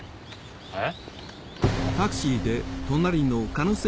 えっ？